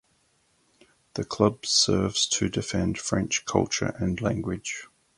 The club serves to defend French culture and language.